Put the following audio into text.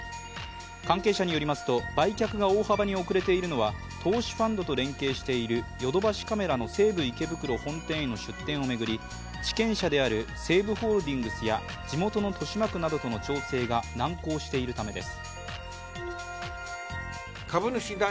関係者によりますと、売却が大幅に遅れているのは投資ファンドと連携しているヨドバシカメラの西武池袋本店への出店を巡り地権者である西武ホールディングスや地元の豊島区などとの調整が難航しているためです。